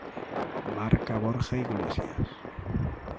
Marca Borja Iglesias.